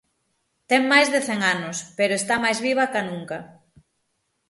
Ten máis de cen anos, pero está máis viva ca nunca.